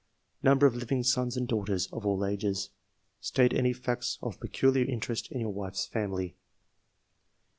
Number of living sons and daughters (of all ages) ? State any facts of peculiar interest in your wife's family.